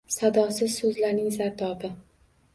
Sadosiz so‘zlaring zardobi.